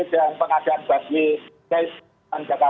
dan pengadaan bady